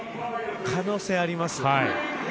可能性あります。